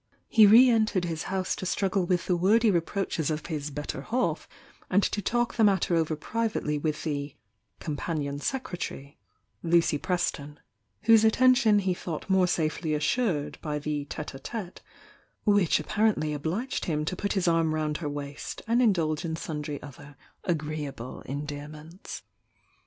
He re entered his house to struggle with the wordy reproaches of his better half, and to talk the matter over privately with the "companion secretary," Lucy Preston, whose attention he thought more safely assured by a tete a tete, which appar ently obliged him to put his arm round her waist and indulge in sundry other agreeable endearments.